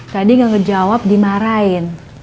siapa yang ngejawab dimarahin